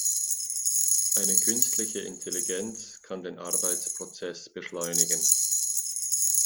Eine künstliche Intelligenz kann den Arbeitsprozess beschleunigen.